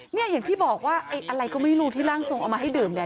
อย่างที่บอกว่าไอ้อะไรก็ไม่รู้ที่ร่างทรงเอามาให้ดื่มเนี่ย